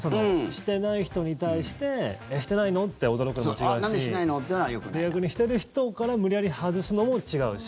してない人に対してしてないの？って驚くのは違うし逆に、してる人から無理やり外すのも違うし。